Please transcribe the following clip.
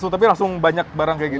tapi langsung banyak barang seperti ini